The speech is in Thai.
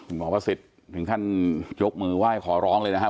คุณหมอพระศิษฐ์ถึงท่านยกมือไหว้ขอร้องเลยนะครับ